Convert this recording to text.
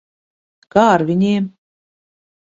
Kā ar viņiem?